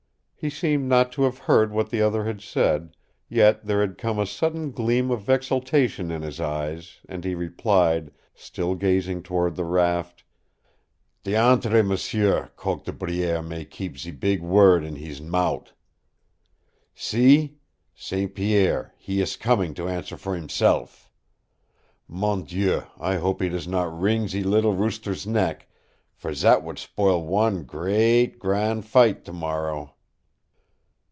He seemed not to have heard what the other had said, yet there had come a sudden gleam of exultation in his eyes, and he replied, still gazing toward the raft, "Diantre, m'sieu coq de bruyere may keep ze beeg word in hees mout'! See! St. Pierre, he ees comin' to answer for himself. Mon Dieu, I hope he does not wring ze leetle rooster's neck, for zat would spoil wan great, gran' fight tomorrow!"